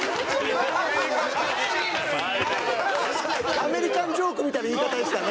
アメリカンジョークみたいな言い方でしたね。